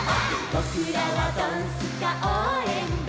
「ぼくらはドンスカおうえんだん」